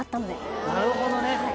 なるほどね。